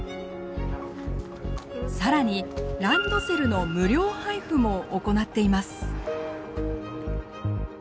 更にランドセルの無料配布も行っています。